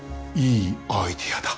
いいアイデアだ。